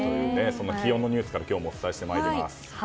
気温のニュースから今日はお伝えしてまいります。